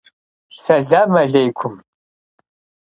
Selam alêykum.